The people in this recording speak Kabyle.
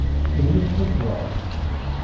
Umnen-tent dɣa?